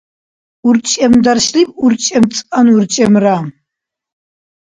урчӀемдаршлим урчӀемцӀанну урчӀемра